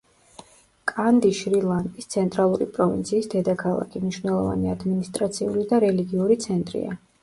კანდი შრი-ლანკის ცენტრალური პროვინციის დედაქალაქი, მნიშვნელოვანი ადმინისტრაციული და რელიგიური ცენტრია.